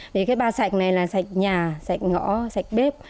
bà sạch này là sạch nhà sạch ngõ sạch bếp